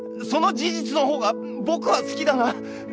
その事実のほうが僕は好きだなあ。